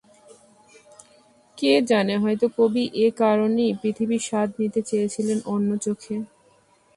কে জানে হয়তো কবি এ কারণেই পৃথিবীর স্বাদ নিতে চেয়েছিলেন অন্য চোখে।